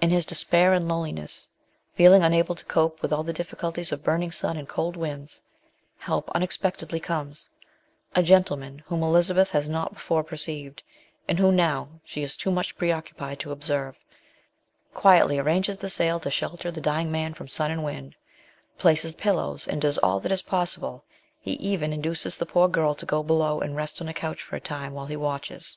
In his despair and loneliness, feeling unable to cope with all the difficul ties of burning sun and cold winds, help unexpectedly comes : a gentleman whom Elizabeth has not before perceived, and whom now she is too much preoccu pied to observe, quietly arranges the sail to shelter the dying man from sun and wind, places pillows, and does all that is possible; he even induces the poor girl to go below and rest on a couch for a time while he watches.